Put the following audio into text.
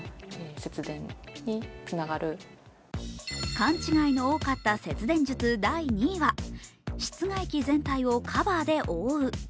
勘違いの多かった節電術第２位は室外機全体をカバーで覆う。